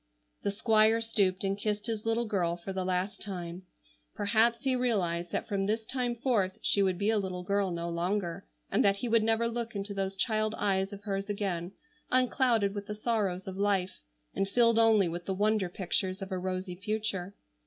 The Squire stooped and kissed his little girl for the last time. Perhaps he realized that from this time forth she would be a little girl no longer, and that he would never look into those child eyes of hers again, unclouded with the sorrows of life, and filled only with the wonder pictures of a rosy future.